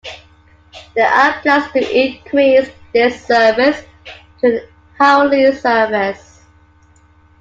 There are plans to increase this service to an hourly service.